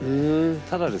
ただですね